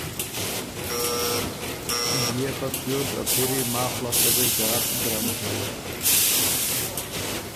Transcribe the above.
بيې خه تیوس ا پِری ماخ لاسته ګه ݫات ګرم هئ